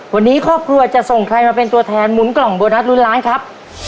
วันนี้ครอบครัวจะส่งใครมาเป็นตัวแทนหมุนกล่องโบนัสลุ้นล้านครับ